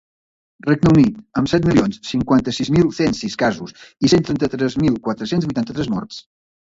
Regne Unit, amb set milions cinquanta-sis mil cent sis casos i cent trenta-tres mil quatre-cents vuitanta-tres morts.